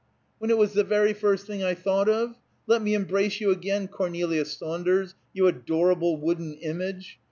"When it was the very first thing I thought of? Let me embrace you again, Cornelia Saunders, you adorable wooden image!